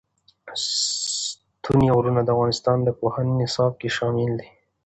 ستوني غرونه د افغانستان د پوهنې نصاب کې شامل دي.